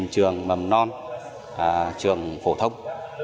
hai mươi hai trường mầm non trường phổ thông